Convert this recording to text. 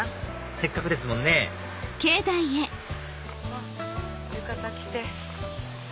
せっかくですもんね浴衣着て。